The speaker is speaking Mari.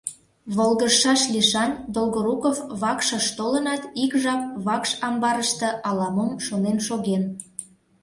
Волгыжшаш лишан Долгоруков вакшыш толынат, ик жап вакш амбарыште ала-мом шонен шоген.